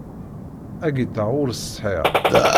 Agiṭar ur t-sεiɣ.